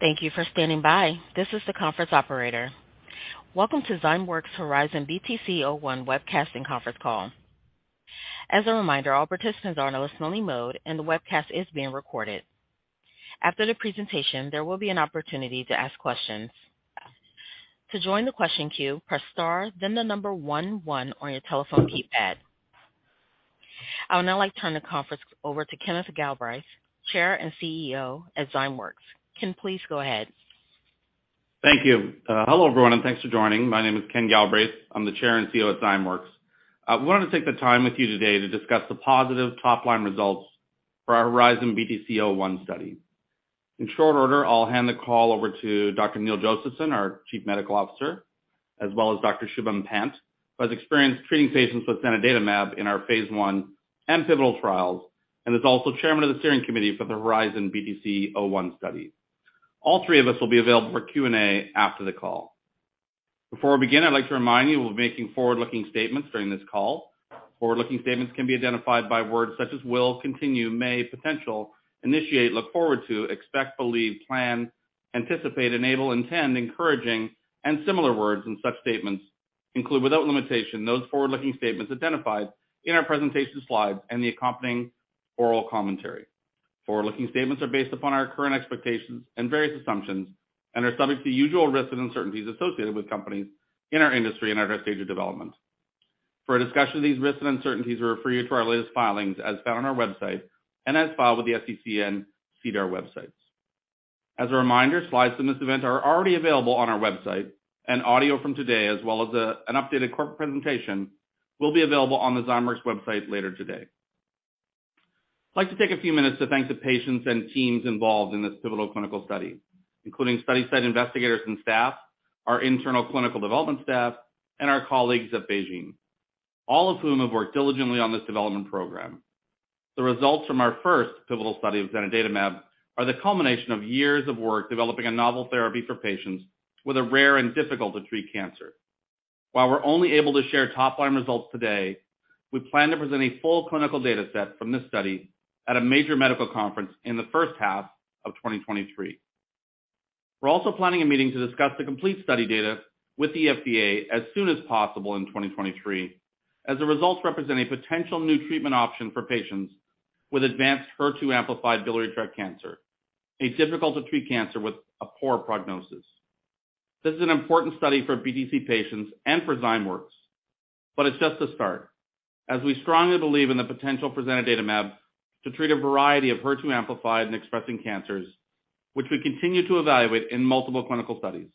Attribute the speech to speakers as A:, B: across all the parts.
A: Thank you for standing by. This is the conference operator. Welcome to Zymeworks HERIZON-BTC-01 Webcast and conference call. As a reminder, all participants are in listen-only mode, and the webcast is being recorded. After the presentation, there will be an opportunity to ask questions. To join the question queue, press star then the number one one on your telephone keypad. I would now like to turn the conference over to Kenneth Galbraith, Chair and CEO at Zymeworks. Ken, please go ahead.
B: Thank you. Hello, everyone, and thanks for joining. My name is Ken Galbraith. I'm the Chair and CEO at Zymeworks. I wanted to take the time with you today to discuss the positive top-line results for our HERIZON-BTC-01 study. In short order, I'll hand the call over to Dr. Neil Josephson, our Chief Medical Officer, as well as Dr. Shubham Pant, who has experience treating patients with zanidatamab in our phase I and pivotal trials and is also Chairman of the Steering Committee for the HERIZON-BTC-01 study. All three of us will be available for Q&A after the call. Before we begin, I'd like to remind you we're making forward-looking statements during this call. Forward-looking statements can be identified by words such as will, continue, may, potential, initiate, look forward to, expect, believe, plan, anticipate, enable, intend, encouraging, and similar words. Such statements include, without limitation, those forward-looking statements identified in our presentation slides and the accompanying oral commentary. Forward-looking statements are based upon our current expectations and various assumptions and are subject to usual risks and uncertainties associated with companies in our industry and our stage of development. For a discussion of these risks and uncertainties, we refer you to our latest filings as found on our website and as filed with the SEC and SEDAR websites. As a reminder, slides from this event are already available on our website, and audio from today, as well as an updated corporate presentation, will be available on the Zymeworks website later today. I'd like to take a few minutes to thank the patients and teams involved in this pivotal clinical study, including study site investigators and staff, our internal clinical development staff, and our colleagues at BeiGene, all of whom have worked diligently on this development program. The results from our first pivotal study of zanidatamab are the culmination of years of work developing a novel therapy for patients with a rare and difficult-to-treat cancer. While we're only able to share top-line results today, we plan to present a full clinical data set from this study at a major medical conference in the first half of 2023. We're also planning a meeting to discuss the complete study data with the FDA as soon as possible in 2023, as the results represent a potential new treatment option for patients with advanced HER2-amplified biliary tract cancer, a difficult to treat cancer with a poor prognosis. This is an important study for BTC patients and for Zymeworks, but it's just the start, as we strongly believe in the potential for zanidatamab to treat a variety of HER2-amplified and expressing cancers, which we continue to evaluate in multiple clinical studies.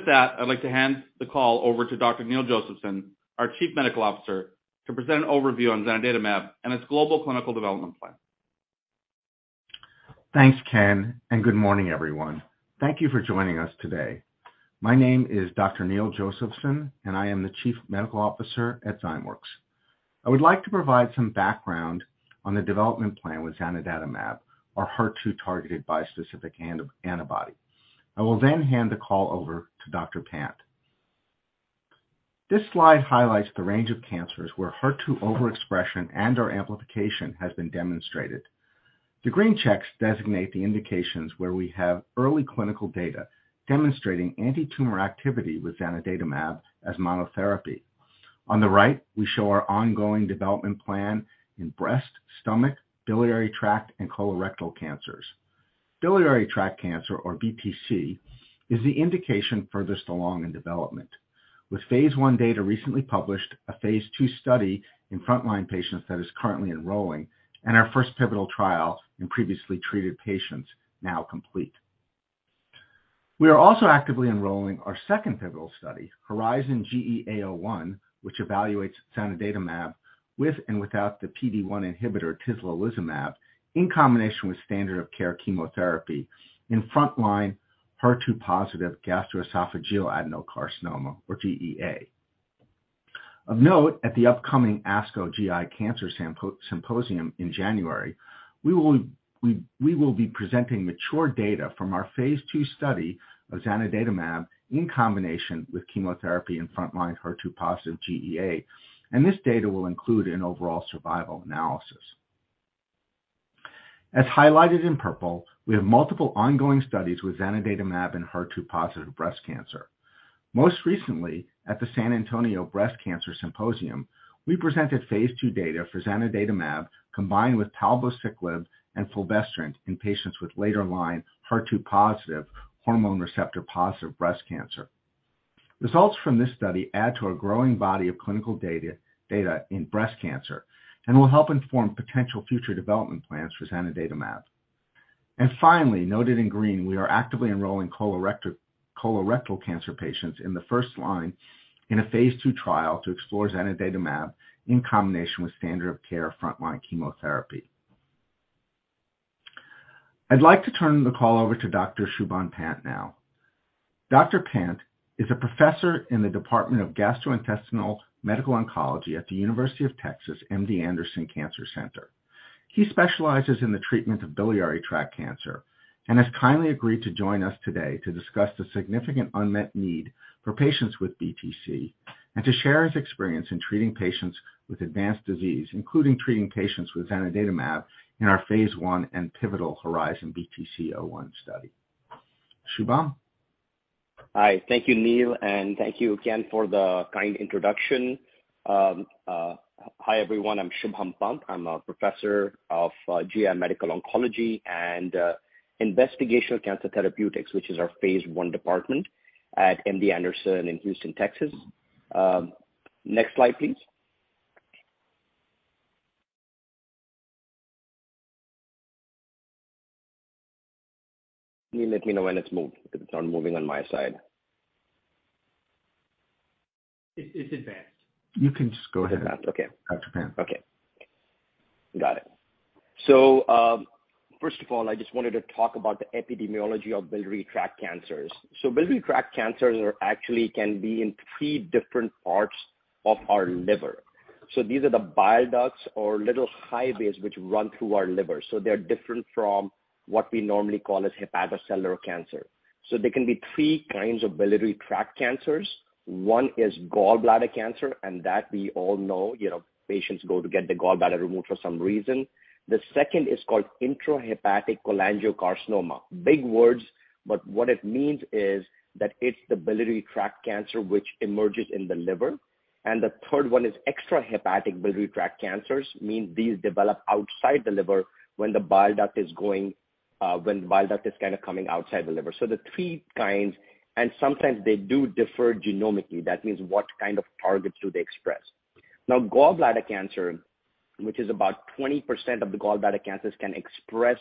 B: I'd like to hand the call over to Dr. Neil Josephson, our Chief Medical Officer, to present an overview on zanidatamab and its global clinical development plan.
C: Thanks, Ken, and good morning, everyone. Thank you for joining us today. My name is Dr. Neil Josephson, and I am the Chief Medical Officer at Zymeworks. I would like to provide some background on the development plan with zanidatamab, our HER2-targeted bispecific antibody. I will hand the call over to Dr. Pant. This slide highlights the range of cancers where HER2 overexpression and/or amplification has been demonstrated. The green checks designate the indications where we have early clinical data demonstrating antitumor activity with zanidatamab as monotherapy. On the right, we show our ongoing development plan in breast, stomach, biliary tract, and colorectal cancers. Biliary tract cancer, or BTC, is the indication furthest along in development. With phase I data recently published, a phase II study in frontline patients that is currently enrolling, and our first pivotal trial in previously treated patients now complete. We are also actively enrolling our second pivotal study, HERIZON-GEA-01, which evaluates zanidatamab with and without the PD-1 inhibitor tislelizumab in combination with standard of care chemotherapy in frontline HER2-positive gastroesophageal adenocarcinoma, or GEA. Of note, at the upcoming ASCO GI Cancer Symposium in January, we will be presenting mature data from our phase II study of zanidatamab in combination with chemotherapy in frontline HER2-positive GEA, and this data will include an overall survival analysis. As highlighted in purple, we have multiple ongoing studies with zanidatamab in HER2-positive breast cancer. Most recently, at the San Antonio Breast Cancer Symposium, we presented phase II data for zanidatamab combined with palbociclib and fulvestrant in patients with later-line HER2-positive, hormone receptor-positive breast cancer. Results from this study add to our growing body of clinical data in breast cancer and will help inform potential future development plans for zanidatamab. Finally, noted in green, we are actively enrolling colorectal cancer patients in the first line in a phase II trial to explore zanidatamab in combination with standard of care frontline chemotherapy. I'd like to turn the call over to Dr. Shubham Pant now. Dr. Pant is a Professor in the Department of Gastrointestinal Medical Oncology at The University of Texas MD Anderson Cancer Center. He specializes in the treatment of biliary tract cancer and has kindly agreed to join us today to discuss the significant unmet need for patients with BTC. To share his experience in treating patients with advanced disease, including treating patients with zanidatamab in our phase I and pivotal HERIZON-BTC-01 study. Shubham?
D: Hi. Thank you, Neil, and thank you again for the kind introduction. Hi, everyone. I'm Shubham Pant. I'm a professor of GI medical oncology and investigational cancer therapeutics, which is our phase I department at MD Anderson in Houston, Texas. Next slide, please. Can you let me know when it's moved? Because it's not moving on my side.
C: It advanced.
D: You can just go ahead.
C: Okay. Dr. Pant.
D: Okay. Got it. First of all, I just wanted to talk about the epidemiology of biliary tract cancers. Biliary tract cancers are actually can be in three different parts of our liver. These are the bile ducts or little highways which run through our liver. They're different from what we normally call as hepatocellular cancer. There can be three kinds of biliary tract cancers. One is gallbladder cancer, and that we all know, you know, patients go to get the gallbladder removed for some reason. The second is called intrahepatic cholangiocarcinoma. Big words, but what it means is that it's the biliary tract cancer which emerges in the liver. The third one is extrahepatic biliary tract cancers, mean these develop outside the liver when the bile duct is going, when bile duct is kinda coming outside the liver. The three kinds, and sometimes they do differ genomically. That means what kind of targets do they express. Gallbladder cancer, which is about 20% of the gallbladder cancers, can express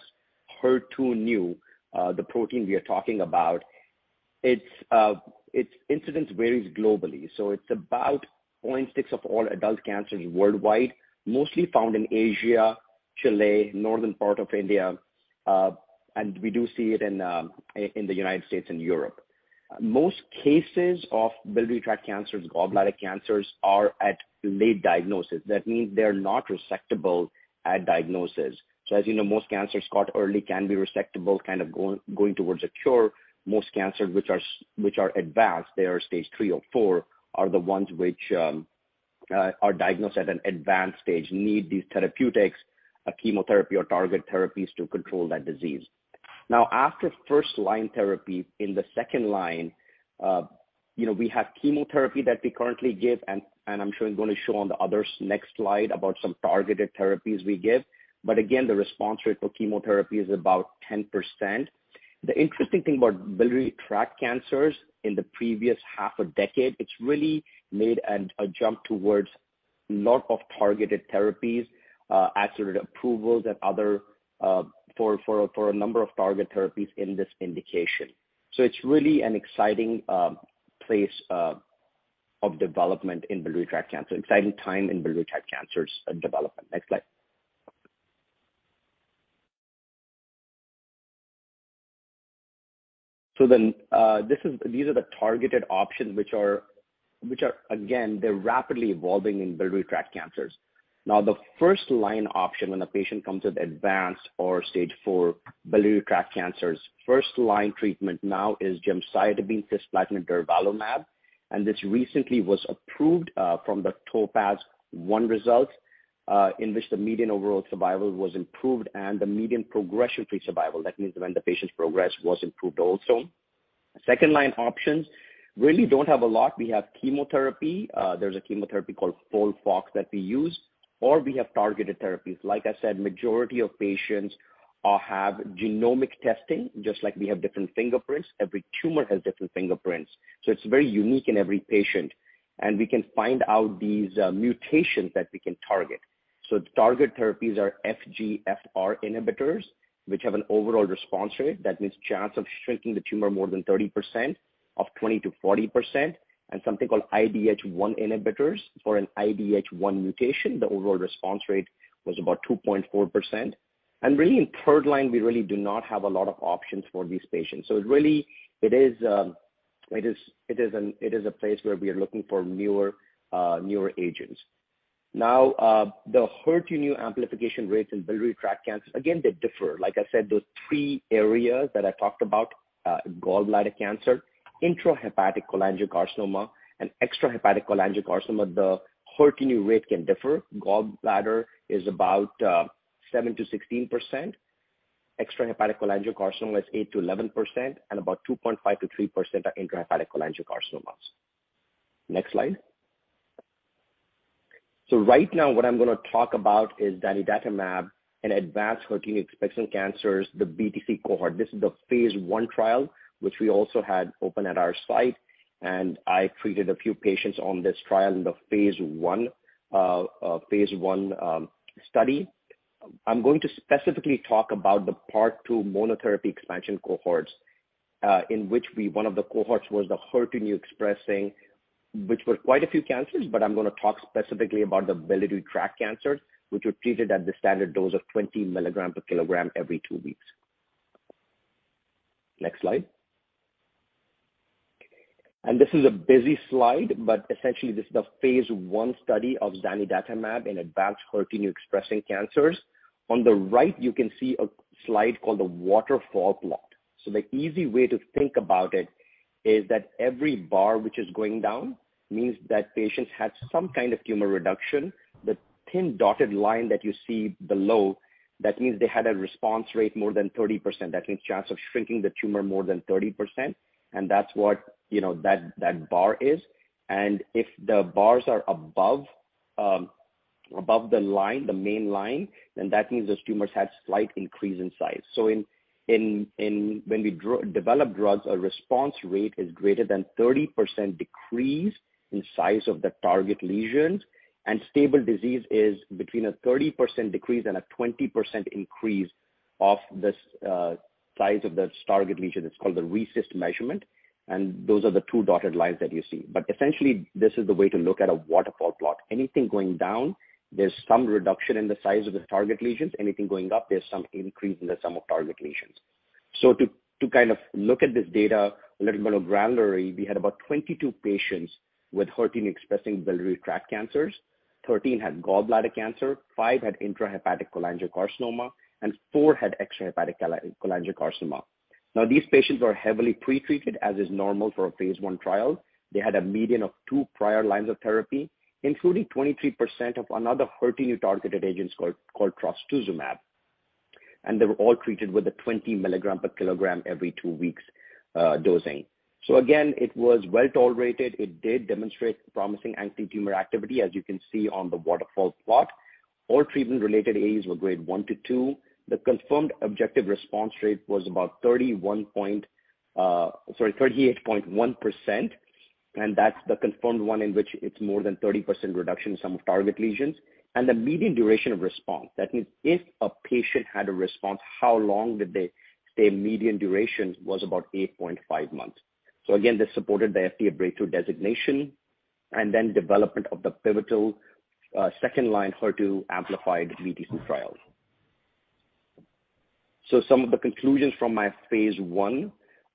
D: HER2/neu, the protein we are talking about. Its incidence varies globally. It's about 0.6 of all adult cancers worldwide, mostly found in Asia, Chile, northern part of India, and we do see it in the United States and Europe. Most cases of biliary tract cancers, gallbladder cancers are at late diagnosis. That means they're not resectable at diagnosis. As you know, most cancers caught early can be resectable, kind of going towards a cure. Most cancers which are advanced, they are stage 3 or 4, are the ones which are diagnosed at an advanced stage, need these therapeutics, a chemotherapy or targeted therapies to control that disease. After first-line therapy, in the second-line, you know, we have chemotherapy that we currently give, and I'm sure I'm gonna show on the others next slide about some targeted therapies we give. Again, the response rate for chemotherapy is about 10%. The interesting thing about biliary tract cancers in the previous half a decade, it's really made a jump towards lot of targeted therapies, accelerated approvals and other for a number of targeted therapies in this indication. So it's really an exciting place of development in biliary tract cancer, exciting time in biliary tract cancers development. Next slide. These are the targeted options which are again, they're rapidly evolving in biliary tract cancers. Now, the first-line option when a patient comes with advanced or stage 4 biliary tract cancers, first-line treatment now is gemcitabine, cisplatin and durvalumab. This recently was approved from the TOPAZ-1 result, in which the median overall survival was improved and the median progression-free survival, that means when the patients progress, was improved also. Second-line options really don't have a lot. We have chemotherapy. There's a chemotherapy called FOLFOX that we use, or we have targeted therapies. Like I said, majority of patients have genomic testing. Just like we have different fingerprints, every tumor has different fingerprints. It's very unique in every patient, and we can find out these mutations that we can target. The target therapies are FGFR inhibitors, which have an overall response rate. That means chance of shrinking the tumor more than 30% of 20%-40%. Something called IDH1 inhibitors for an IDH1 mutation. The overall response rate was about 2.4%. Really in third line, we really do not have a lot of options for these patients. It really, it is a place where we are looking for newer agents. The HER2/neu amplification rates in biliary tract cancer, again, they differ. Like I said, those three areas that I talked about, gallbladder cancer, intrahepatic cholangiocarcinoma, and extrahepatic cholangiocarcinoma, the HER2/neu rate can differ. Gallbladder is about 7%-16%. Extrahepatic cholangiocarcinoma is 8%-11% and about 2.5%-3% are intrahepatic cholangiocarcinomas. Next slide. Right now what I'm gonna talk about is zanidatamab in advanced HER2-expressing cancers, the BTC cohort. This is the phase I trial, which we also had open at our site, and I treated a few patients on this trial in the phase I study. I'm going to specifically talk about the part two monotherapy expansion cohorts, in which one of the cohorts was the HER2-expressing, which were quite a few cancers. I'm gonna talk specifically about the Biliary Tract Cancers, which were treated at the standard dose of 20 milligrams per kilogram every two weeks. Next slide. This is a busy slide, but essentially this is the phase I study of zanidatamab in advanced HER2/neu expressing cancers. On the right, you can see a slide called the waterfall plot. The easy way to think about it is that every bar which is going down means that patients had some kind of tumor reduction. The thin dotted line that you see below, that means they had a response rate more than 30%. That means chance of shrinking the tumor more than 30%, and that's what, you know, that bar is. If the bars are above the line, the main line, then that means those tumors had slight increase in size. In when we develop drugs, a response rate is greater than 30% decrease in size of the target lesions, and stable disease is between a 30% decrease and a 20% increase of this size of the target lesion. It's called the RECIST measurement, and those are the two dotted lines that you see. Essentially, this is the way to look at a waterfall plot. Anything going down, there's some reduction in the size of the target lesions. Anything going up, there's some increase in the sum of target lesions. To kind of look at this data a little bit of granularly, we had about 22 patients with HER2 expressing biliary tract cancers. 13 had gallbladder cancer, 5 had intrahepatic cholangiocarcinoma, and 4 had extrahepatic cholangiocarcinoma. These patients are heavily pretreated, as is normal for a phase I trial. They had a median of tow prior lines of therapy, including 23% of another HER2/neu targeted agent called trastuzumab. They were all treated with a 20 milligram per kilogram every two weeks dosing. Again, it was well-tolerated. It did demonstrate promising antitumor activity, as you can see on the waterfall plot. All treatment-related AEs were Grade 1 to 2. The confirmed objective response rate was about sorry, 38.1%, that's the confirmed one in which it's more than 30% reduction in sum of target lesions. The median duration of response, that means if a patient had a response, how long did they stay? Median duration was about 8.5 months. Again, this supported the FDA breakthrough designation, development of the pivotal second-line HER2 amplified BTC trial. Some of the conclusions from my phase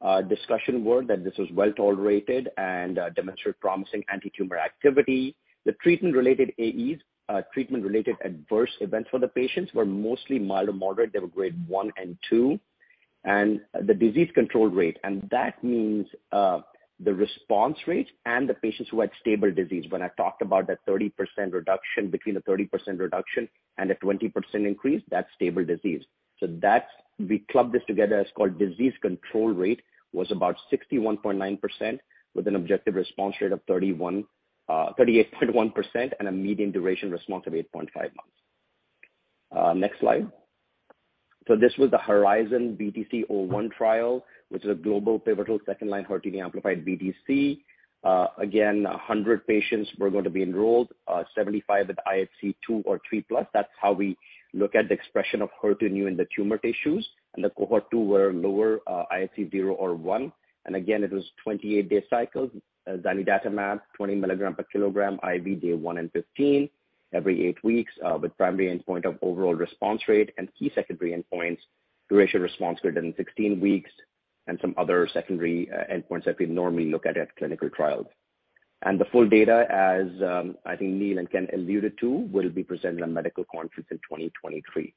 D: I discussion were that this was well-tolerated and demonstrated promising antitumor activity. The treatment-related AEs, treatment-related adverse events for the patients were mostly mild to moderate. They were Grade 1 and 2. The disease control rate, and that means the response rate and the patients who had stable disease. When I talked about that 30% reduction-- between the 30% reduction and the 20% increase, that's stable disease. We club this together as called disease control rate, was about 61.9% with an objective response rate of 38.1% and a median duration response of 8.5 months. Next slide. This was the HERIZON-BTC-01 trial, which is a global pivotal second-line HER2-amplified BTC. Again, 100 patients were going to be enrolled, 75 with IHC 2 or 3+. That's how we look at the expression of HER2/neu in the tumor tissues. The cohort two were lower, IHC 0 or 1. Again, it was 28-day cycle, zanidatamab, 20 milligrams per kilogram IV day one and 15, every eight weeks, with primary endpoint of overall response rate and key secondary endpoints, duration response greater than 16 weeks, and some other secondary endpoints that we normally look at clinical trials. The full data as I think Neil and Ken alluded to, will be presented on medical conference in 2023.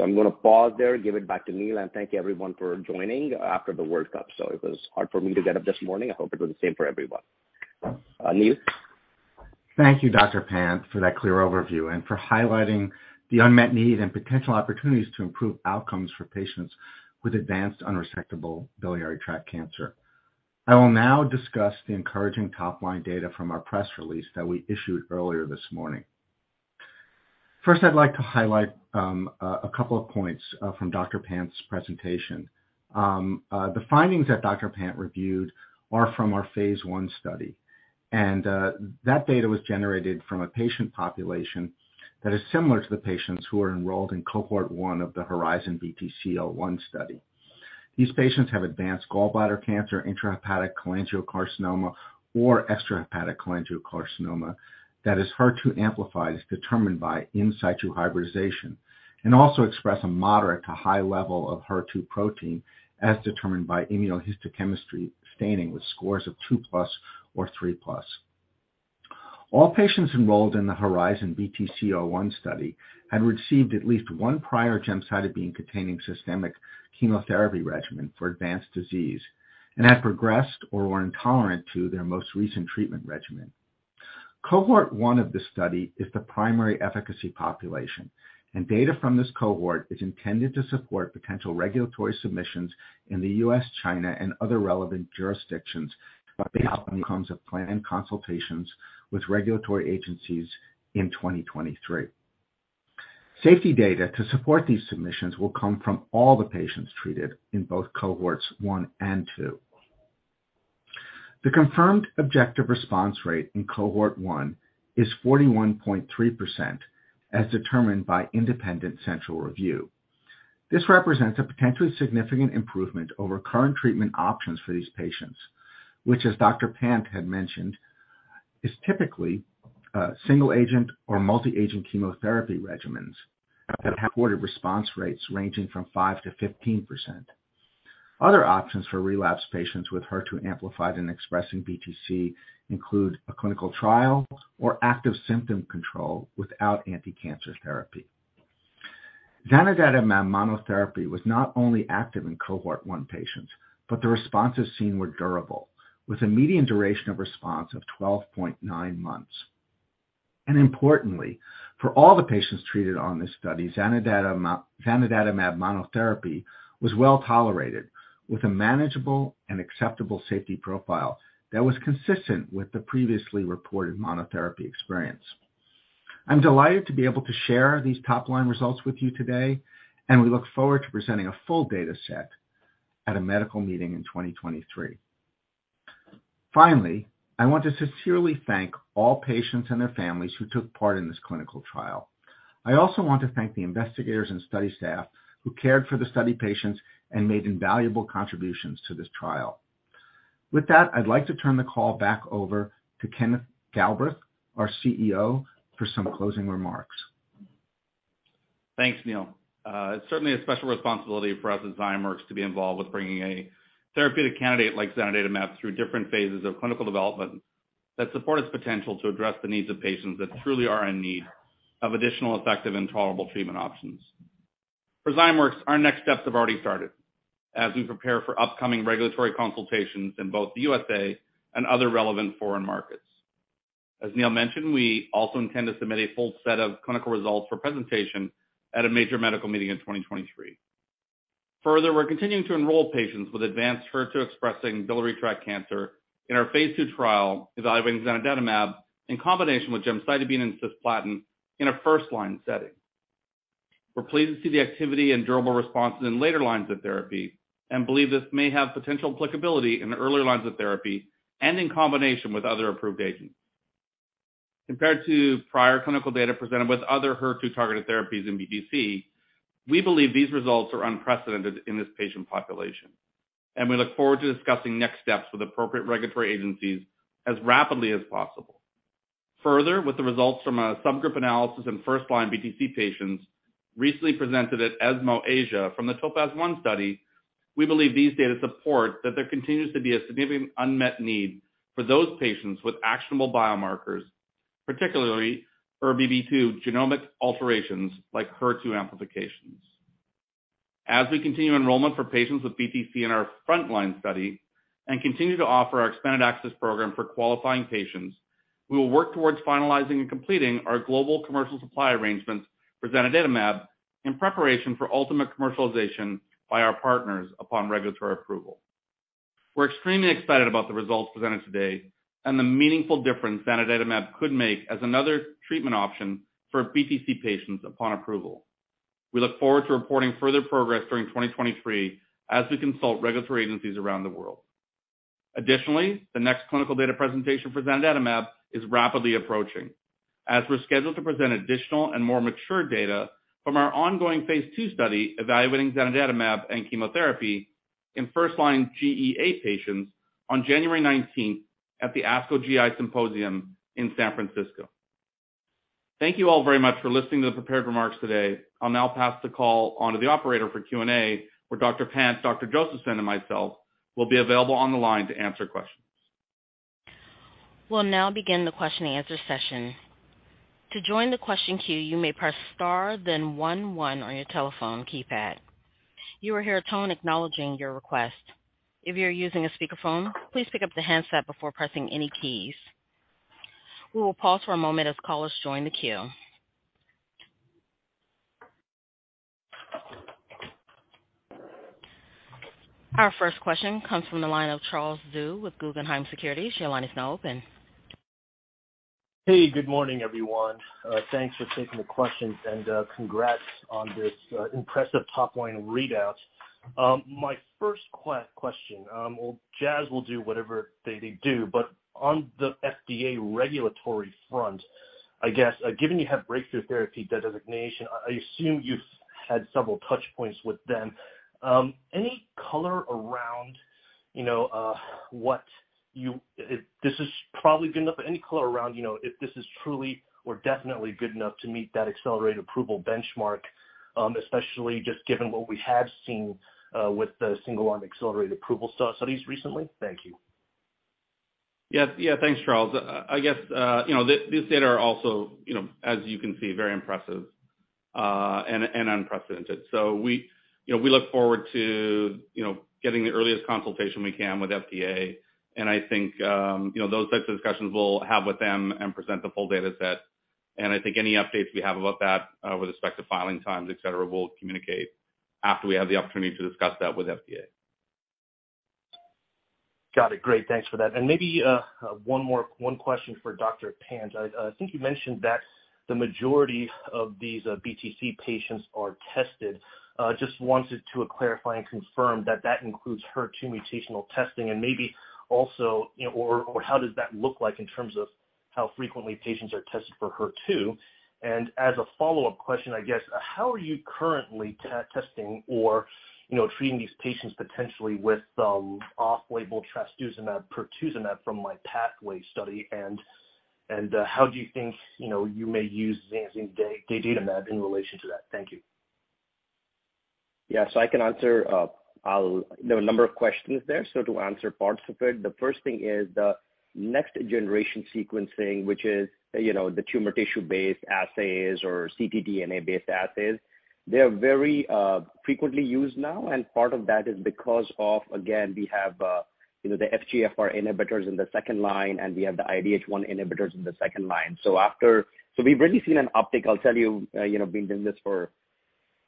D: I'm gonna pause there, give it back to Neil, and thank everyone for joining after the World Cup. It was hard for me to get up this morning. I hope it was the same for everyone. Neil.
C: Thank you, Dr. Pant, for that clear overview and for highlighting the unmet need and potential opportunities to improve outcomes for patients with advanced unresectable biliary tract cancer. I will now discuss the encouraging top-line data from our press release that we issued earlier this morning. First, I'd like to highlight a couple of points from Dr. Pant's presentation. The findings that Dr. Pant reviewed are from our phase I study. That data was generated from a patient population that is similar to the patients who are enrolled in cohort one of the HERIZON-BTC-01 study. These patients have advanced gallbladder cancer, intrahepatic cholangiocarcinoma, or extrahepatic cholangiocarcinoma that is HER2-amplified, as determined by in situ hybridization, and also express a moderate to high level of HER2 protein, as determined by immunohistochemistry staining with scores of 2+ or 3+. All patients enrolled in the HERIZON-BTC-01 study had received at least one prior gemcitabine-containing systemic chemotherapy regimen for advanced disease and had progressed or were intolerant to their most recent treatment regimen. Cohort one of this study is the primary efficacy population. Data from this cohort is intended to support potential regulatory submissions in the U.S., China, and other relevant jurisdictions based on the outcomes of planned consultations with regulatory agencies in 2023. Safety data to support these submissions will come from all the patients treated in both cohorts one and two. The confirmed objective response rate in cohort one is 41.3%, as determined by independent central review. This represents a potentially significant improvement over current treatment options for these patients, which, as Dr. Pant had mentioned, is typically, single-agent or multi-agent chemotherapy regimens that have quarter response rates ranging from 5%-15%. Other options for relapsed patients with HER2 amplified and expressing BTC include a clinical trial or active symptom control without anticancer therapy. Zanidatamab monotherapy was not only active in cohort one patients, but the responses seen were durable, with a median duration of response of 12.9 months. Importantly, for all the patients treated on this study, zanidatamab monotherapy was well tolerated with a manageable and acceptable safety profile that was consistent with the previously reported monotherapy experience. I'm delighted to be able to share these top line results with you today, we look forward to presenting a full data set at a medical meeting in 2023. I want to sincerely thank all patients and their families who took part in this clinical trial. I also want to thank the investigators and study staff who cared for the study patients and made invaluable contributions to this trial. I'd like to turn the call back over to Kenneth Galbraith, our CEO, for some closing remarks.
B: Thanks, Neil. It's certainly a special responsibility for us at Zymeworks to be involved with bringing a therapeutic candidate like zanidatamab through different phases of clinical development that support its potential to address the needs of patients that truly are in need of additional effective and tolerable treatment options. For Zymeworks, our next steps have already started as we prepare for upcoming regulatory consultations in both the USA and other relevant foreign markets. As Neil mentioned, we also intend to submit a full set of clinical results for presentation at a major medical meeting in 2023. Further, we're continuing to enroll patients with advanced HER2-expressing biliary tract cancer in our phase II trial evaluating zanidatamab in combination with gemcitabine and cisplatin in a first-line setting. We're pleased to see the activity and durable responses in later lines of therapy and believe this may have potential applicability in the earlier lines of therapy and in combination with other approved agents. Compared to prior clinical data presented with other HER2 targeted therapies in BTC, we believe these results are unprecedented in this patient population, and we look forward to discussing next steps with appropriate regulatory agencies as rapidly as possible. Further, with the results from a subgroup analysis in first-line BTC patients recently presented at ESMO Asia from the TOPAZ-1 study, we believe these data support that there continues to be a significant unmet need for those patients with actionable biomarkers, particularly ERBB2 genomic alterations like HER2 amplifications. As we continue enrollment for patients with BTC in our frontline study and continue to offer our expanded access program for qualifying patients, we will work towards finalizing and completing our global commercial supply arrangements for zanidatamab in preparation for ultimate commercialization by our partners upon regulatory approval. We're extremely excited about the results presented today and the meaningful difference zanidatamab could make as another treatment option for BTC patients upon approval. We look forward to reporting further progress during 2023 as we consult regulatory agencies around the world. The next clinical data presentation for zanidatamab is rapidly approaching as we're scheduled to present additional and more mature data from our ongoing phase II study evaluating zanidatamab and chemotherapy in first-line GEA patients on January 19th at the ASCO GI Symposium in San Francisco. Thank you all very much for listening to the prepared remarks today. I'll now pass the call on to the operator for Q&A, where Dr. Pant, Dr. Josephson, and myself will be available on the line to answer questions.
A: We'll now begin the question-and-answer session. To join the question queue, you may press star then one one on your telephone keypad. You will hear a tone acknowledging your request. If you are using a speakerphone, please pick up the handset before pressing any keys. We will pause for a moment as callers join the queue. Our first question comes from the line of Charles Zhu with Guggenheim Securities. Your line is now open.
E: Hey, good morning, everyone. Thanks for taking the questions, and congrats on this impressive top line readout. My first question. Well, Jazz will do whatever they do, but on the FDA regulatory front, I guess, given you have breakthrough therapy designation, I assume you've had several touch points with them. Any color around, you know, if this is probably good enough, but any color around, you know, if this is truly or definitely good enough to meet that accelerated approval benchmark, especially just given what we have seen with the single-arm accelerated approval studies recently? Thank you.
B: Yes. Yeah. Thanks, Charles. I guess, you know, these data are also, you know, as you can see, very impressive, and unprecedented. We, you know, we look forward to, you know, getting the earliest consultation we can with FDA. I think, you know, those types of discussions we'll have with them and present the full data set. I think any updates we have about that, with respect to filing times, et cetera, we'll communicate after we have the opportunity to discuss that with FDA.
E: Got it. Great. Thanks for that. Maybe one question for Dr. Pant. I think you mentioned that the majority of these BTC patients are tested. Just wanted to clarify and confirm that that includes HER2 mutational testing and maybe also, you know, or how does that look like in terms of how frequently patients are tested for HER2? As a follow-up question, I guess, how are you currently testing or, you know, treating these patients potentially with off-label trastuzumab pertuzumab from MyPathway study and? How do you think, you know, you may use zanidatamab data in relation to that? Thank you.
D: Yeah. I can answer. There were a number of questions there, to answer parts of it. The first thing is the next-generation sequencing, which is, you know, the tumor tissue-based assays or ctDNA-based assays. They are very frequently used now. Part of that is because of, again, we have, you know, the FGFR inhibitors in the second line. We have the IDH1 inhibitors in the second line. We've really seen an uptick. I'll tell you know, being in this for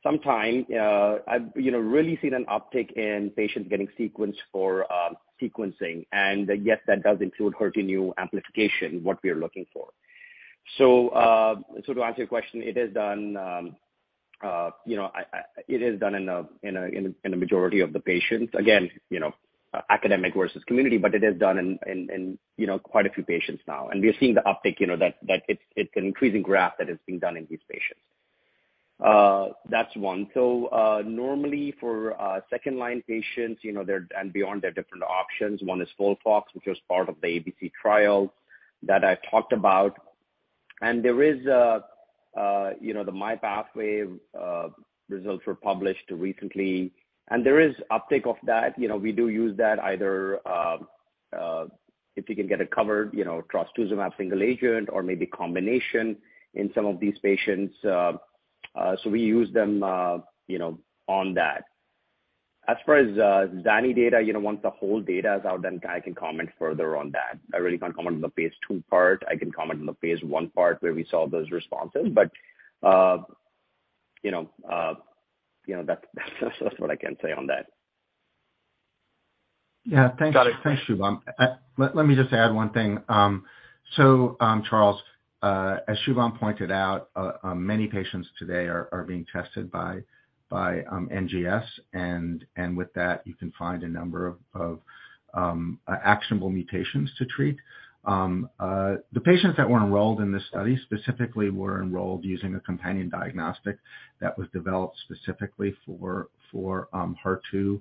D: some time, I've, you know, really seen an uptick in patients getting sequenced for sequencing. Yes, that does include HER2/neu amplification, what we're looking for. To answer your question, it is done, you know, it is done in a majority of the patients. Again, you know, academic versus community, but it is done in, you know, quite a few patients now. We are seeing the uptick, you know, that it's an increasing graph that is being done in these patients. That's one. Normally for second line patients, you know, there and beyond, there are different options. One is FOLFOX, which was part of the ABC trial that I talked about. There is, you know, the MyPathway results were published recently, and there is uptick of that. You know, we do use that either, if you can get it covered, you know, trastuzumab single agent or maybe combination in some of these patients. We use them, you know, on that. As far as ZANI data, you know, once the whole data is out, then I can comment further on that. I really can't comment on the phase II part. I can comment on the phase I part where we saw those responses. You know, that's what I can say on that.
C: Yeah. Thanks.
E: Got it.
C: Thanks, Shubham. Let me just add one thing. Charles, as Shubham pointed out, many patients today are being tested by NGS, and with that you can find a number of actionable mutations to treat. The patients that were enrolled in this study specifically were enrolled using a companion diagnostic that was developed specifically for HER2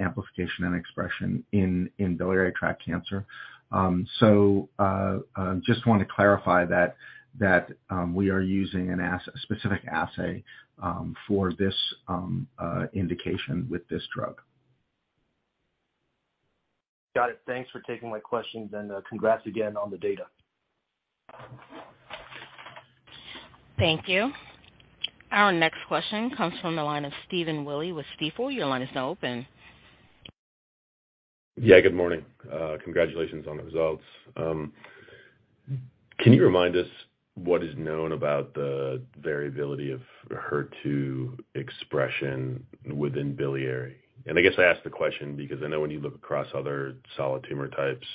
C: amplification and expression in biliary tract cancer. Just want to clarify that we are using an as- specific assay for this indication with this drug. Got it. Thanks for taking my questions and congrats again on the data.
A: Thank you. Our next question comes from the line of Stephen Willey with Stifel. Your line is now open.
F: Yeah, good morning. Congratulations on the results. Can you remind us what is known about the variability of HER2 expression within biliary? I guess I ask the question because I know when you look across other solid tumor types,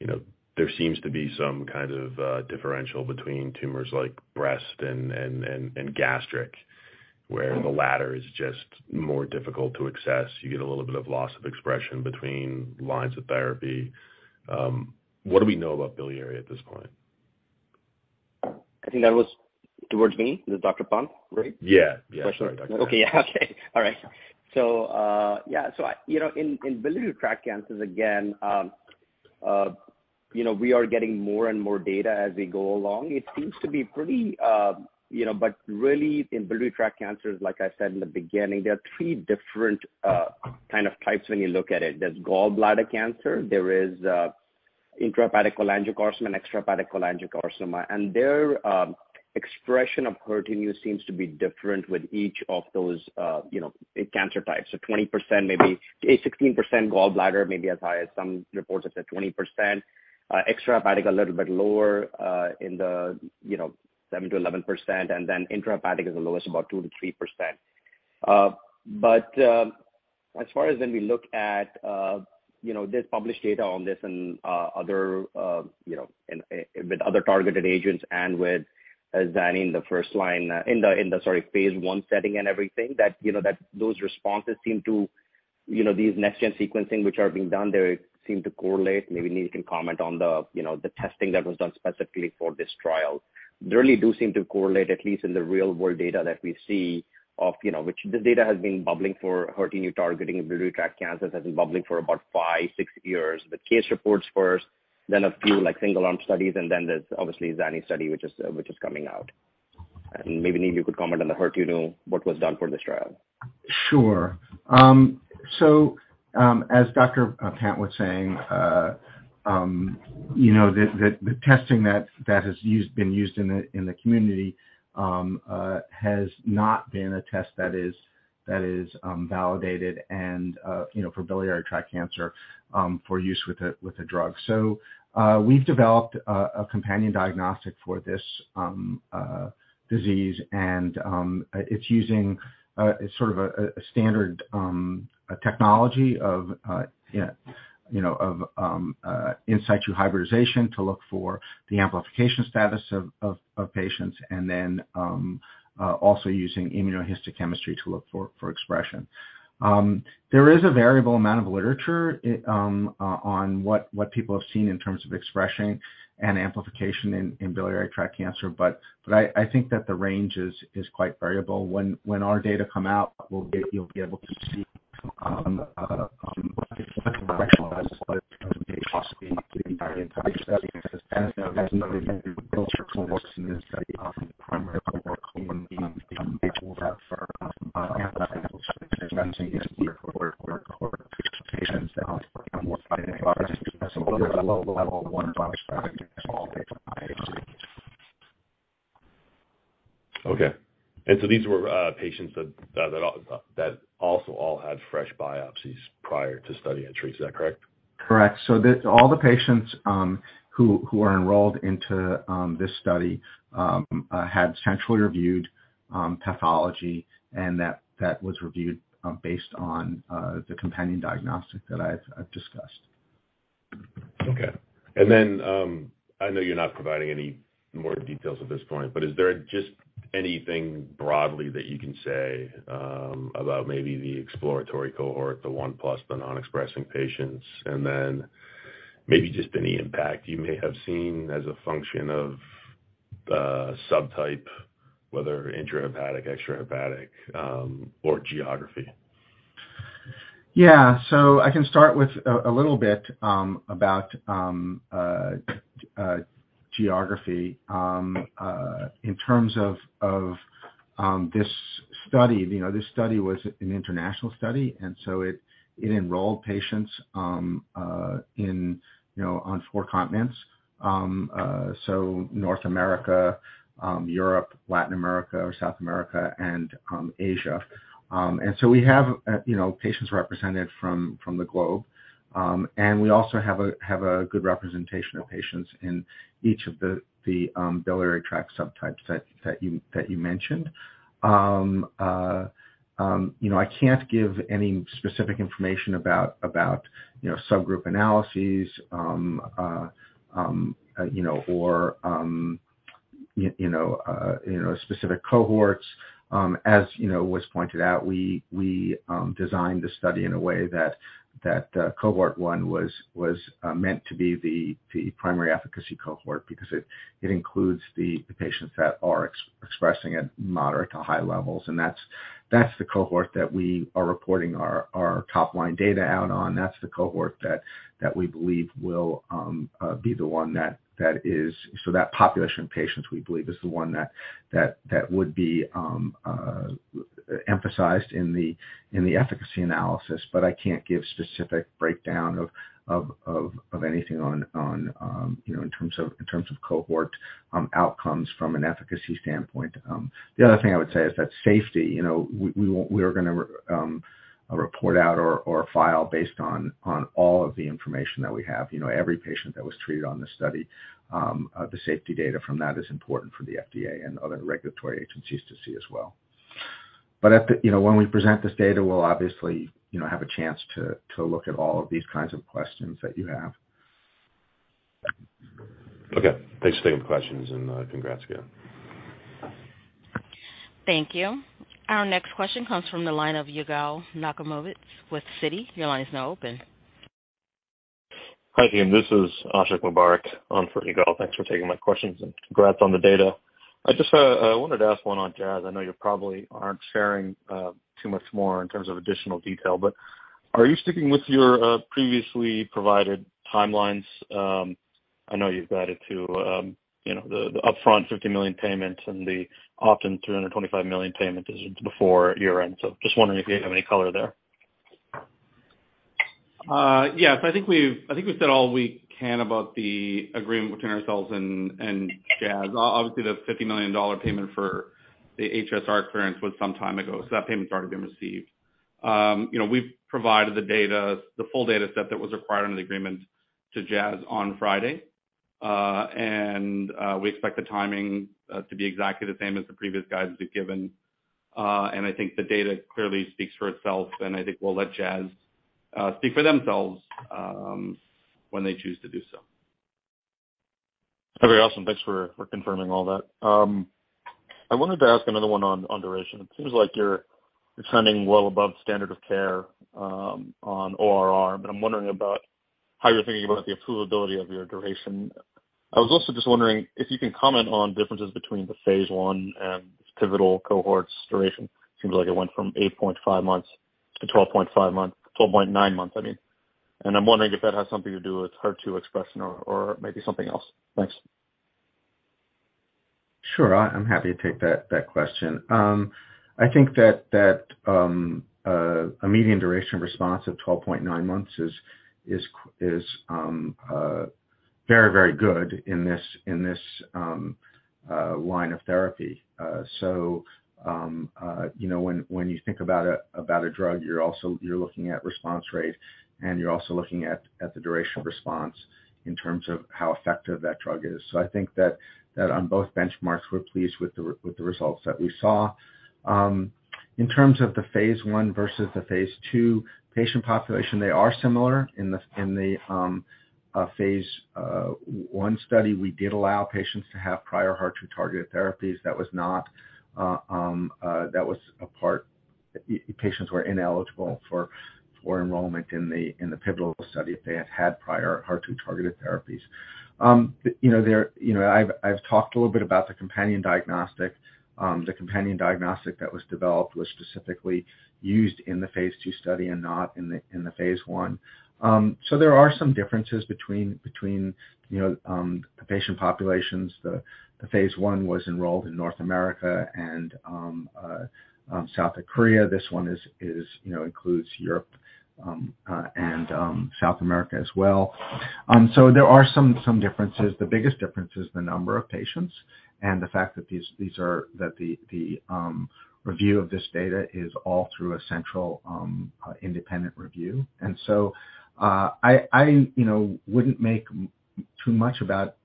F: you know, there seems to be some kind of differential between tumors like breast and gastric, where the latter is just more difficult to access. You get a little bit of loss of expression between lines of therapy. What do we know about biliary at this point?
D: I think that was towards me. It was Dr. Pant, right?
F: Yeah. Yeah.
D: Okay. Yeah. Okay. All right. Yeah. You know, in biliary tract cancers, again, you know, we are getting more and more data as we go along. It seems to be pretty, you know. Really in biliary tract cancers, like I said in the beginning, there are three different kind of types when you look at it. There's gallbladder cancer, there is intrahepatic cholangiocarcinoma and extrahepatic cholangiocarcinoma. Their expression of protein use seems to be different with each of those, you know, cancer types. 20%, maybe, 16% gallbladder, maybe as high as some reports have said 20%. Extrahepatic a little bit lower, you know, 7%-11%. Then intrahepatic is the lowest, about 2%-3%. As far as when we look at, you know, there's published data on this and other, you know, and with other targeted agents and with ZANI in the first line, in the, sorry, phase I setting and everything, that, you know, that those responses seem to, you know, these next-gen sequencing which are being done, they seem to correlate. Maybe Neil can comment on the, you know, the testing that was done specifically for this trial. They really do seem to correlate, at least in the real world data that we see of, you know, which the data has been bubbling for HER2/neu targeting in Biliary Tract Cancers for about five, six years, with case reports first, then a few like single arm studies. Then there's obviously ZANI study which is coming out. Maybe, Neil, you could comment on the HER2, what was done for this trial.
C: Sure. As Dr. Pant was saying, you know, the testing that has been used in the community has not been a test that is validated and, you know, for biliary tract cancer, for use with a drug. We've developed a companion diagnostic for this disease and it's using sort of a standard technology of, you know, of in situ hybridization to look for the amplification status of patients, and then also using immunohistochemistry to look for expression. There is a variable amount of literature it on what people have seen in terms of expression and amplification in biliary tract cancer. I think that the range is quite variable. When our data come out, you'll be able to see what the correction was. Possibly in this study. As you know, the larger cohort in this study, the primary cohort being the patients that were antibody positive and then using this for patients that were moderate to low level 1+ expressing in all they.
F: Okay. These were patients that also all had fresh biopsies prior to study entry. Is that correct?
C: Correct. All the patients who are enrolled into this study had centrally reviewed pathology and that was reviewed based on the companion diagnostic that I've discussed.
F: Okay. I know you're not providing any more details at this point, but is there just anything broadly that you can say about maybe the exploratory cohort, the one plus the non-expressing patients? Maybe just any impact you may have seen as a function of subtype, whether intrahepatic, extrahepatic, or geography?
C: Yeah. I can start with a little bit about geography. In terms of this study. You know, this study was an international study, and so it enrolled patients in, you know, on four continents, so North America, Europe, Latin America or South America and Asia. We have, you know, patients represented from the globe. We also have a good representation of patients in each of the biliary tract subtypes that you mentioned. You know, I can't give any specific information about, you know, subgroup analyses, you know, or, you know, you know, specific cohorts. As you know was pointed out, we designed the study in a way that cohort one was meant to be the primary efficacy cohort because it includes the patients that are expressing at moderate to high levels. That's the cohort that we are reporting our top line data out on. That's the cohort that we believe will be the one. That population of patients, we believe, is the one that would be emphasized in the efficacy analysis. I can't give specific breakdown of anything on, you know, in terms of cohort outcomes from an efficacy standpoint. The other thing I would say is that safety, you know, we are gonna report out or file based on all of the information that we have. You know, every patient that was treated on this study, the safety data from that is important for the FDA and other regulatory agencies to see as well. At the, you know, when we present this data, we'll obviously, you know, have a chance to look at all of these kinds of questions that you have.
F: Okay. Thanks for taking the questions and congrats again.
A: Thank you. Our next question comes from the line of Yigal Nochomovitz with Citi. Your line is now open.
G: Hi team, this is Ashiq Mubarack on for Yigal Nochomovitz. Thanks for taking my questions and congrats on the data. I just wanted to ask one on Jazz. I know you probably aren't sharing too much more in terms of additional detail, but are you sticking with your previously provided timelines? I know you've guided to, you know, the upfront $50 million payment and the opt-in $325 million payment is before year-end. Just wondering if you have any color there.
B: Yes. I think we've said all we can about the agreement between ourselves and Jazz. Obviously, the $50 million payment for the HSR clearance was some time ago, so that payment's already been received. You know, we've provided the data, the full data set that was required under the agreement to Jazz on Friday. We expect the timing to be exactly the same as the previous guidance we've given. I think the data clearly speaks for itself, and I think we'll let Jazz speak for themselves when they choose to do so.
G: Okay, awesome. Thanks for confirming all that. I wanted to ask another one on duration. It seems like you're trending well above standard of care on ORR. I'm wondering about how you're thinking about the approvability of your duration. I was also just wondering if you can comment on differences between the phase I and pivotal cohorts duration. Seems like it went from 8.5 months to 12.5 months. 12.9 months, I mean. I'm wondering if that has something to do with HER2 expression or maybe something else. Thanks.
C: Sure. I'm happy to take that question. I think that a median duration response of 12.9 months is very good in this line of therapy. You know, when you think about a drug, you're also looking at response rate, and you're also looking at the duration of response in terms of how effective that drug is. I think that on both benchmarks, we're pleased with the results that we saw. In terms of the phase I versus the phase II patient population, they are similar. In the phase I study, we did allow patients to have prior HER2-targeted therapies. That was not. The patients were ineligible for enrollment in the pivotal study if they had had prior HER2-targeted therapies. You know, there, you know, I've talked a little bit about the companion diagnostic. The companion diagnostic that was developed was specifically used in the phase II study and not in the phase I. There are some differences between, you know, the patient populations. The phase I was enrolled in North America and South Korea. This one is, you know, includes Europe and South America as well. There are some differences. The biggest difference is the number of patients and the fact that these are that the review of this data is all through a central independent review. I, you know, wouldn't make too much about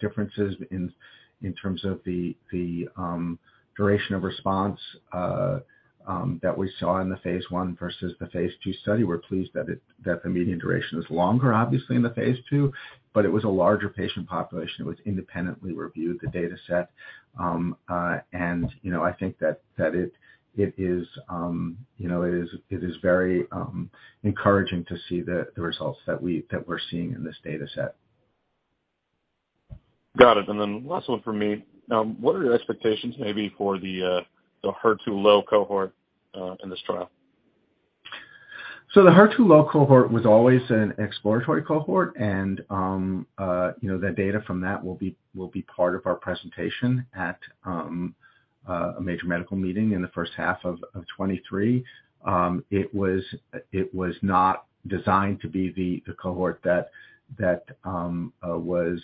C: differences in terms of the duration of response that we saw in the phase I versus the phase II study. We're pleased that the median duration is longer, obviously, in the phase II, but it was a larger patient population. It was independently reviewed, the dataset. You know, I think that it is, you know, it is very encouraging to see the results that we're seeing in this dataset.
G: Got it. Last one from me. What are your expectations maybe for the HER2 low cohort in this trial?
C: The HER2 low cohort was always an exploratory cohort, and, you know, the data from that will be part of our presentation at a major medical meeting in the first half of 2023. It was not designed to be the cohort that was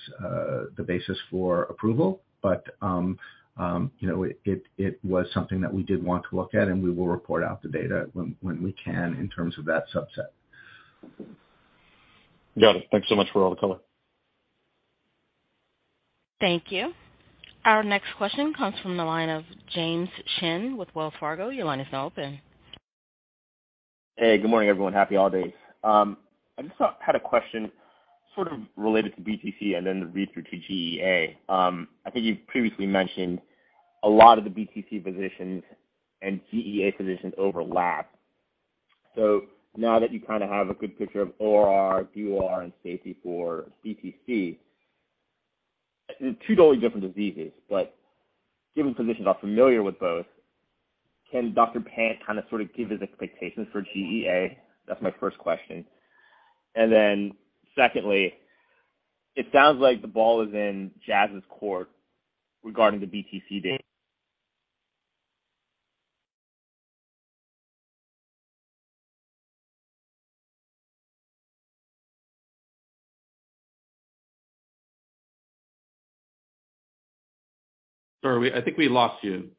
C: the basis for approval. You know, it was something that we did want to look at, and we will report out the data when we can in terms of that subset.
G: Got it. Thank you so much for all the color.
A: Thank you. Our next question comes from the line of James Shin with Wells Fargo. Your line is now open.
H: Hey, good morning, everyone. Happy holidays. I just had a question sort of related to BTC and then the readthrough to GEA. I think you've previously mentioned a lot of the BTC physicians and GEA physicians overlap. Now that you kind of have a good picture of ORR, DOR, and safety for BTC, two totally different diseases, but given physicians are familiar with both, can Dr. Pant kind of, sort of give his expectations for GEA? That's my first question. Secondly, it sounds like the ball is in Jazz's court regarding the BTC data.
B: Sorry, I think we lost you.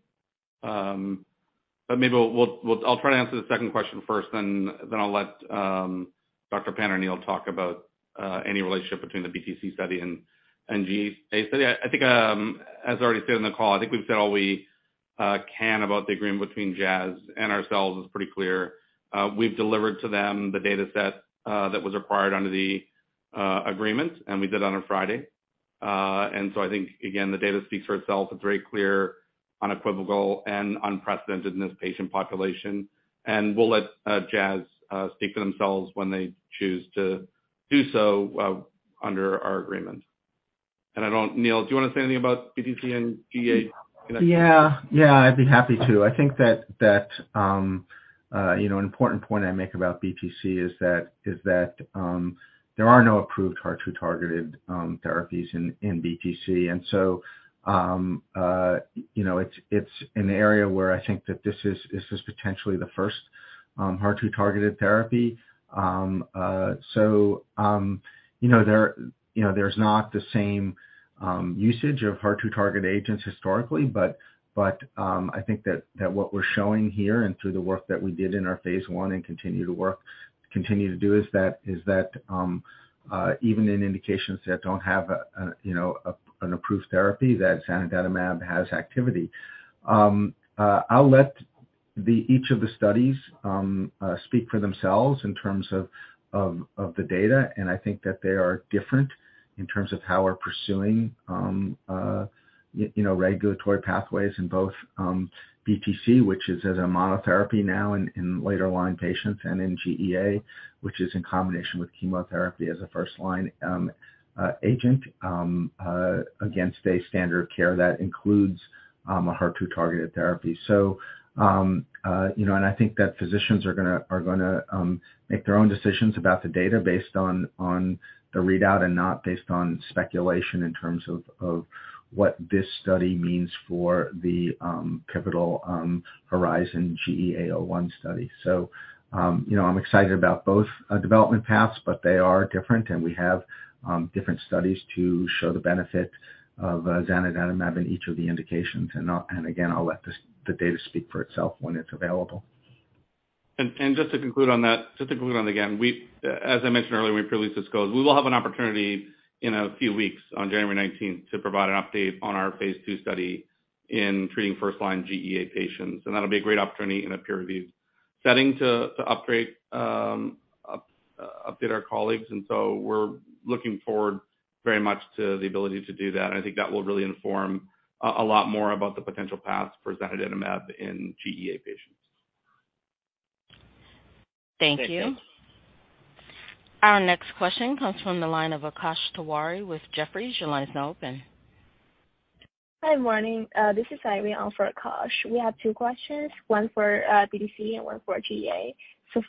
B: Maybe we'll try to answer the second question first, then I'll let Dr. Pant or Neil talk about any relationship between the BTC study and GE. I think as I already said on the call, I think we've said all we can about the agreement between Jazz and ourselves. It's pretty clear. We've delivered to them the dataset that was required under the agreement, and we did on a Friday. I think again, the data speaks for itself. It's very clear, unequivocal, and unprecedented in this patient population. We'll let Jazz speak for themselves when they choose to do so under our agreement. I don't... Neil, do you wanna say anything about BTC and GEA connection? Yeah, I'd be happy to.
C: I think that, you know, an important point I make about BTC is that there are no approved HER2-targeted therapies in BTC. You know, it's an area where I think that this is potentially the first HER2-targeted therapy. You know, there's not the same usage of HER2-targeted agents historically, but I think that what we're showing here and through the work that we did in our phase I and continue to do is that even in indications that don't have a an approved therapy, that zanidatamab has activity. I'll let each of the studies speak for themselves in terms of the data, and I think that they are different in terms of how we're pursuing, you know, regulatory pathways in both BTC, which is as a monotherapy now in later line patients and in GEA, which is in combination with chemotherapy as a first-line agent against a standard of care that includes a HER2-targeted therapy. I think that physicians are gonna make their own decisions about the data based on the readout and not based on speculation in terms of what this study means for the pivotal HERIZON-GEA-01 study. you know, I'm excited about both development paths, but they are different, and we have different studies to show the benefit of zanidatamab in each of the indications. Again, I'll let the data speak for itself when it's available.
B: Just to conclude on that, again, as I mentioned earlier when we released this call, we will have an opportunity in a few weeks on January 19 to provide an update on our phase II study in treating first line GEA patients, and that'll be a great opportunity in a peer revie. Setting to upgrade, update our colleagues. We're looking forward very much to the ability to do that. I think that will really inform a lot more about the potential paths for zanidatamab in GEA patients.
A: Thank you. Our next question comes from the line of Akash Tewari with Jefferies. Your line is now open.
I: Hi. Morning. This is Irene on for Akash. We have two questions, one for BTC and one for GEA.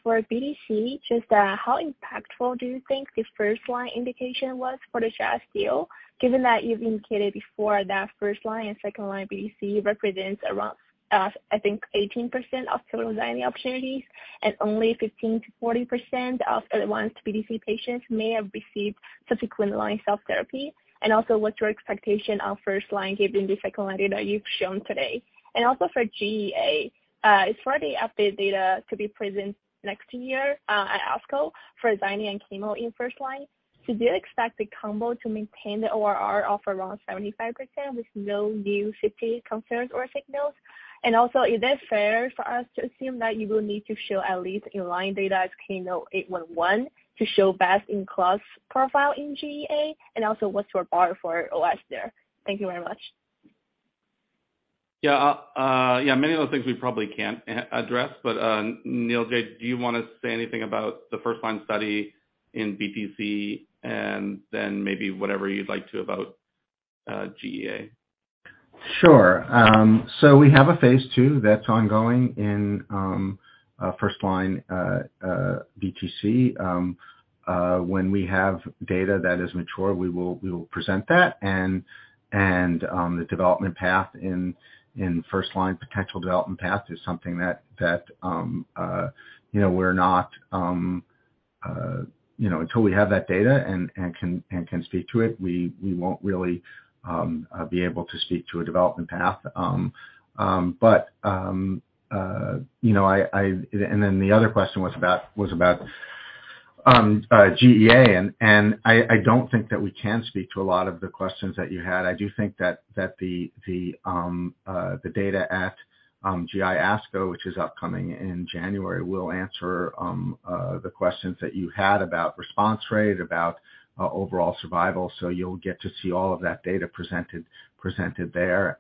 I: For BTC, just how impactful do you think the first-line indication was for the Jazz deal, given that you've indicated before that first line and second line BTC represents around, I think 18% of total zanidatamab opportunities and only 15%-40% of advanced BTC patients may have received subsequent line self therapy? What's your expectation on first line given the second-line data you've shown today? For GEA, as for the update data to be presented next year at ASCO for zanidatamab and chemo in first line, do you expect the combo to maintain the ORR of around 75% with no new safety concerns or signals? Is it fair for us to assume that you will need to show at least in line data at KEYNOTE-811 to show best in class profile in GEA? What's your bar for OS there? Thank you very much.
B: Yeah, many of those things we probably can't address. Neil J., do you wanna say anything about the first line study in BTC maybe whatever you'd like to about GEA?
C: Sure. We have a phase II that's ongoing in, first line, BTC. When we have data that is mature, we will present that and, the development path in first line potential development path is something that, you know, we're not... You know, until we have that data and can speak to it, we won't really, be able to speak to a development path. You know, The other question was about, GEA. I don't think that we can speak to a lot of the questions that you had. I do think that the data at ASCO GI, which is upcoming in January, will answer the questions that you had about response rate, about overall survival. You'll get to see all of that data presented there.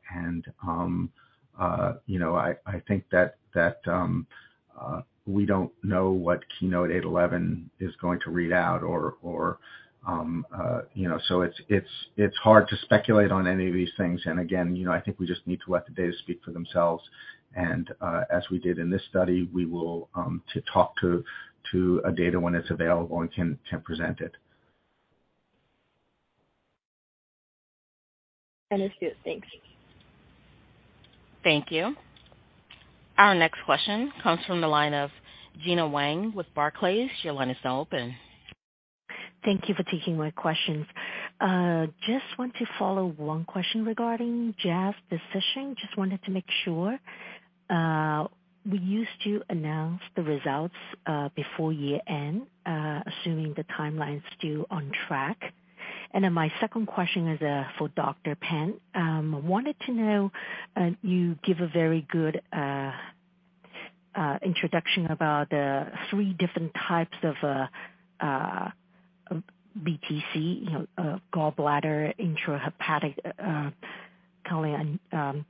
C: You know, I think that we don't know what KEYNOTE-811 is going to read out or you know. It's hard to speculate on any of these things. Again, you know, I think we just need to let the data speak for themselves. As we did in this study, we will talk to a data when it's available and can present it.
I: Understood. Thanks.
A: Thank you. Our next question comes from the line of Gena Wang with Barclays. Your line is now open.
J: Thank you for taking my questions. Just want to follow one question regarding Jazz decision. Just wanted to make sure we used to announce the results before year-end, assuming the timeline is due on track. My second question is for Dr. Pant. Wanted to know, you give a very good introduction about three different types of BTC, you know, gallbladder intrahepatic cholangiocarcinoma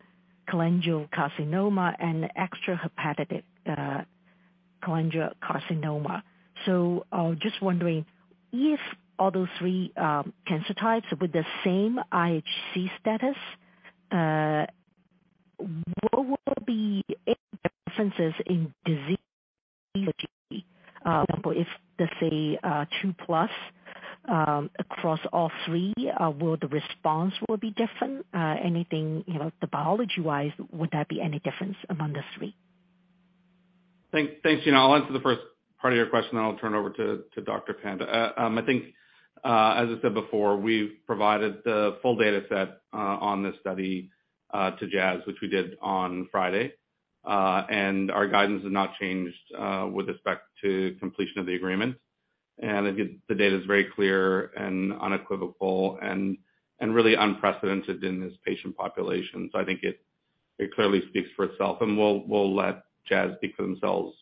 J: and extrahepatic cholangiocarcinoma. Just wondering if all those three cancer types with the same IHC status, what would be any differences in disease if let's say, 2+, across all three, will the response will be different? Anything, you know, the biology-wise, would there be any difference among the three?
B: Thanks, Gena. I'll answer the first part of your question, then I'll turn it over to Dr. Pant. I think, as I said before, we've provided the full data set on this study to Jazz, which we did on Friday. Our guidance has not changed with respect to completion of the agreement. Again, the data is very clear and unequivocal and really unprecedented in this patient population. I think it clearly speaks for itself, and we'll let Jazz speak for themselves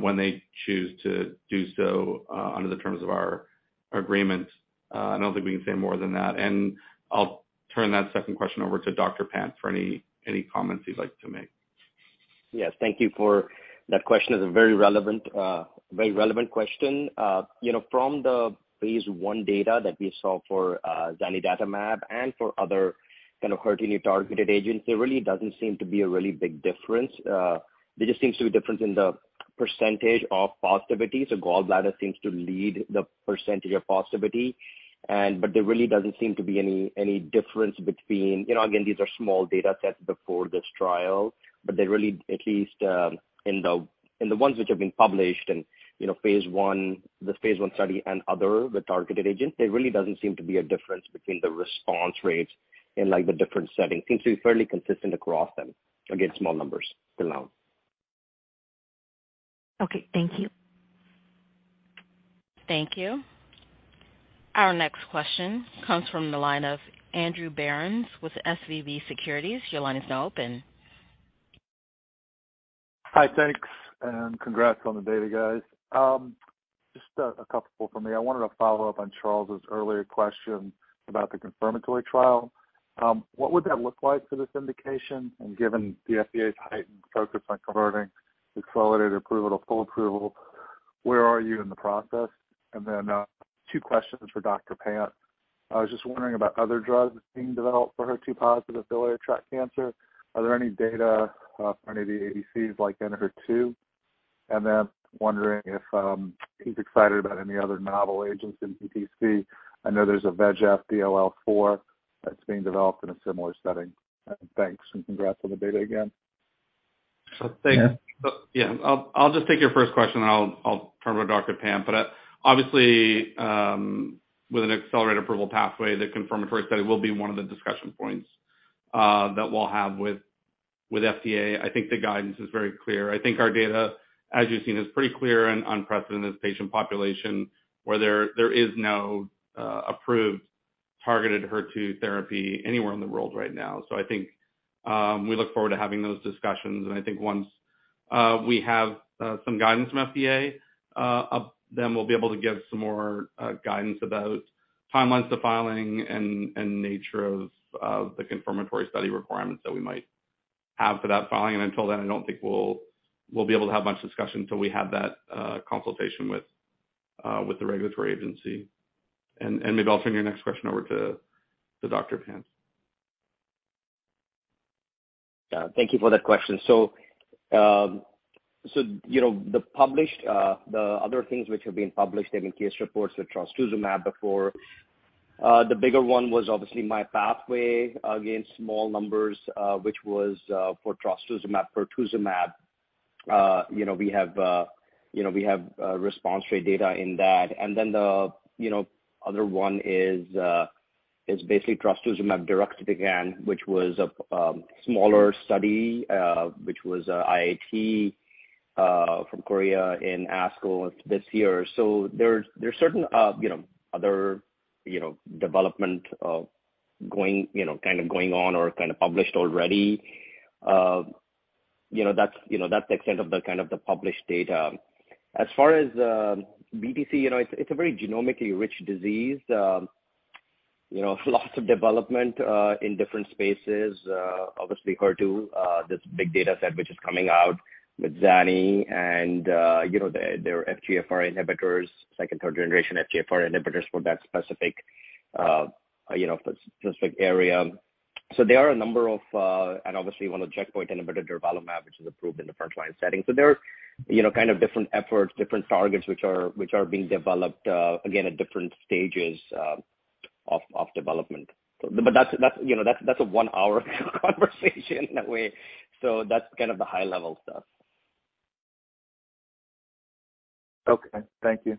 B: when they choose to do so under the terms of our agreement. I don't think we can say more than that. I'll turn that second question over to Dr. Pant for any comments he'd like to make.
D: Yes, thank you for that question. It's a very relevant, very relevant question. You know, from the phase I data that we saw for zanidatamab and for other kind of HER2-targeted agents, there really doesn't seem to be a really big difference. There just seems to be difference in the percentage of positivity. Gallbladder seems to lead the percentage of positivity. There really doesn't seem to be any difference between... You know, again, these are small data sets before this trial, but they really, at least, in the ones which have been published and, you know, phase I, this phase I study and other, the targeted agent, there really doesn't seem to be a difference between the response rates in like the different settings. Seems to be fairly consistent across them. Again, small numbers till now.
J: Okay. Thank you.
A: Thank you. Our next question comes from the line of Andrew Berens with SVB Securities. Your line is now open.
K: Hi. Thanks, and congrats on the data, guys. Just a couple for me. I wanted to follow up on Charles's earlier question about the confirmatory trial. What would that look like for this indication? Given the FDA's heightened focus on converting accelerated approval to full approval, where are you in the process? Two questions for Dr. Pant. I was just wondering about other drugs being developed for HER2-positive biliary tract cancer. Are there any data from any of the ADCs like ENHERTU? Wondering if he's excited about any other novel agents in BTC. I know there's a VEGF DLL4 that's being developed in a similar setting. Thanks, and congrats on the data again.
B: Thanks. Yeah, I'll just take your first question, and I'll turn it over to Dr. Pant. Obviously, with an accelerated approval pathway, the confirmatory study will be one of the discussion points that we'll have with FDA. I think the guidance is very clear. I think our data, as you've seen, is pretty clear and unprecedented patient population where there is no approved targeted HER2 therapy anywhere in the world right now. I think we look forward to having those discussions. I think once we have some guidance from FDA, then we'll be able to give some more guidance about timelines to filing and nature of the confirmatory study requirements that we might have for that filing. Until then, I don't think we'll be able to have much discussion till we have that consultation with the regulatory agency. Maybe I'll turn your next question over to Dr. Pant.
D: Yeah. Thank you for that question. You know, the other things which have been published, they've been case reports with trastuzumab before. The bigger one was obviously MyPathway, again, small numbers, which was for trastuzumab, pertuzumab. You know, we have response rate data in that. The, you know, other one is basically trastuzumab deruxtecan, which was a smaller study, which was IIT from Korea in ASCO this year. There's certain, you know, other, you know, development going, you know, kind of going on or kind of published already. You know, that's the extent of the kind of the published data. As far as BTC, you know, it's a very genomically rich disease. You know, lots of development in different spaces. Obviously HER2, this big data set which is coming out with Ziihera and, you know, their FGFR inhibitors, second, third generation FGFR inhibitors for that specific, you know, specific area. There are a number of, and obviously one of the checkpoint inhibitor durvalumab, which is approved in the front line setting. There are, you know, kind of different efforts, different targets which are, which are being developed, again, at different stages, of development. That's, that's, you know, that's a one-hour conversation that way, so that's kind of the high level stuff.
K: Okay. Thank you.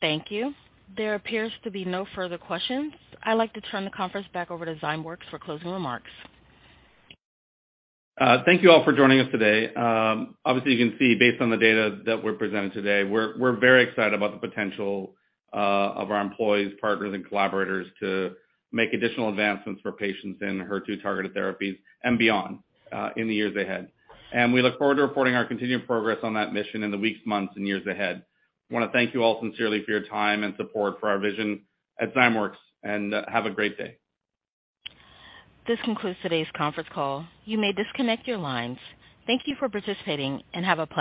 A: Thank you. There appears to be no further questions. I'd like to turn the conference back over to Zymeworks for closing remarks.
B: Thank you all for joining us today. Obviously, you can see based on the data that we're presenting today, we're very excited about the potential of our employees, partners, and collaborators to make additional advancements for patients in HER2-targeted therapies and beyond in the years ahead. We look forward to reporting our continued progress on that mission in the weeks, months, and years ahead. I want to thank you all sincerely for your time and support for our vision at Zymeworks, and have a great day.
A: This concludes today's conference call. You may disconnect your lines. Thank you for participating and have a great day.